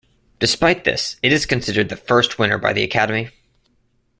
Despite this, it is considered the first winner by the Academy.